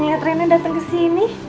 lihat rena datang kesini